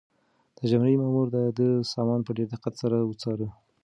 د جرمني مامور د ده سامان په ډېر دقت سره وڅاره.